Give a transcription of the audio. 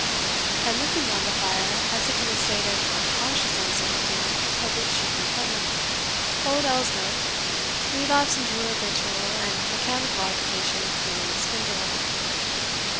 And looking round the fire, as if in a state of unconscious uncertainty of which she complained, old Elspeth relapsed into her habitual and mechanical occupation of twirling the spindle.